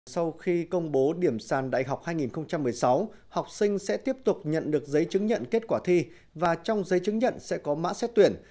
sau khi công bố điểm sàn đại học hai nghìn một mươi sáu học sinh sẽ tiếp tục nhận được giấy chứng nhận kết quả thi và trong giấy chứng nhận sẽ có mã xét tuyển